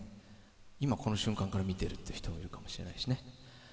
今この瞬間から見てるという人もいるかもしれないしね。